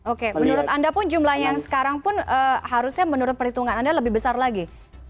oke menurut anda pun jumlah yang sekarang pun harusnya menurut perhitungan anda lebih besar lagi